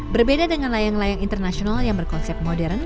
berbeda dengan layang layang internasional yang berkonsep modern